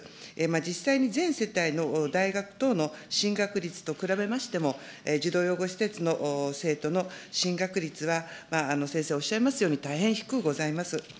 実際に全世帯の大学等の進学率と比べましても、児童養護施設の生徒の進学率は、先生おっしゃいますように、大変ひくうございます。